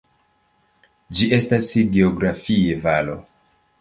Ĝi estas geografie valo.